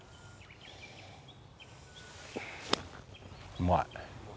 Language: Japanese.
うまい！